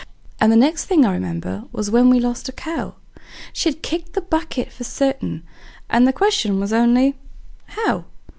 And the next that I remember was when we lost a cow; She had kicked the bucket for certain, the question was only How?